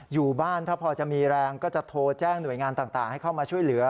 อยู่บ้านถ้าพอจะมีแรงก็จะโทรแจ้งหน่วยงานต่างให้เข้ามาช่วยเหลือ